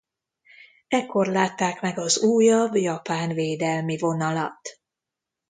Ekkor látták meg az újabb japán védelmi vonalat.